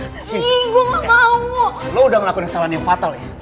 gue gak mau lo udah ngelakuin kesalahan yang fatal ya